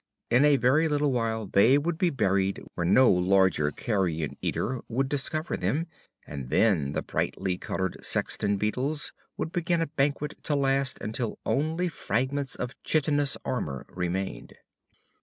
In a very little while they would be buried where no larger carrion eater would discover them, and then the brightly colored sexton beetles would begin a banquet to last until only fragments of chitinous armor remained.